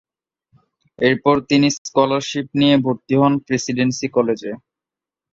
এরপর তিনি স্কলারশিপ নিয়ে ভর্তি হন প্রেসিডেন্সি কলেজে।